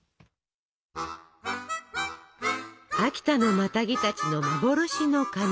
秋田のマタギたちの幻のカネ。